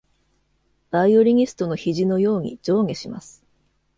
バイオリニストの肘のように上下します。